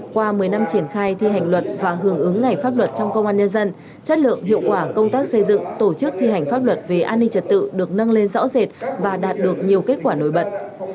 qua một mươi năm triển khai thi hành luật và hưởng ứng ngày pháp luật trong công an nhân dân chất lượng hiệu quả công tác xây dựng tổ chức thi hành pháp luật về an ninh trật tự được nâng lên rõ rệt và đạt được nhiều kết quả nổi bật